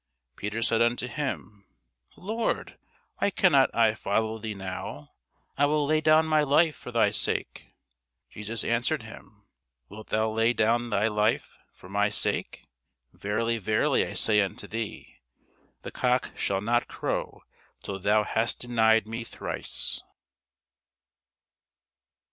Peter said unto him, Lord, why cannot I follow thee now? I will lay down my life for thy sake. Jesus answered him, Wilt thou lay down thy life for my sake? Verily, verily, I say unto thee, The cock shall not crow, till thou hast denied me thrice.